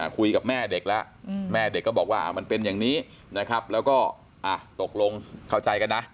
คุยกับแม่เด็กแล้วแม่เด็กก็บอกว่ามันเป็นอย่างนี้นะครับแล้วก็ตกลงเข้าใจกันนะ